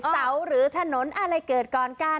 เสาหรือถนนอะไรเกิดก่อนกัน